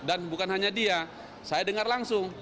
dan bukan hanya dia saya dengar langsung